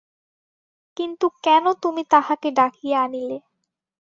কিন্তু কেন তুমি তাঁহাকে ডাকিয়া আনিলে?